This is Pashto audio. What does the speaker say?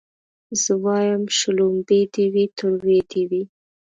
زه وايم شلومبې دي وي تروې دي وي